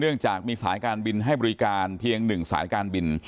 เนื่องจากมีสายการบินให้บริการเพียงหนึ่งสายการบิน